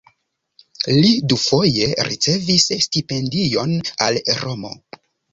Li dufoje ricevis stipendion al Romo.